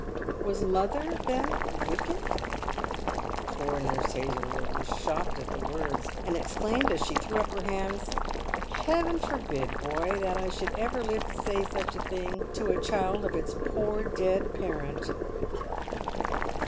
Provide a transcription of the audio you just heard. " Was mother, then, wicked ?" Poor Nurse Hazlewood was shocked at the words, and exclaimed, as she threw up her hands, " Heaven forbid, boy, that I should ever live to say such a thing to a child of its poor dead parent